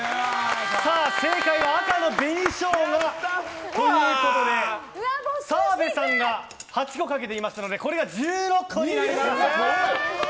正解は赤の紅ショウガということで澤部さんが８個賭けていましたので１６個になります。